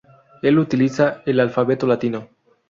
El utiliza el alfabeto latino.